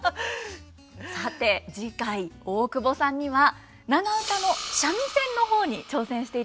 さて次回大久保さんには長唄の三味線の方に挑戦していただきます。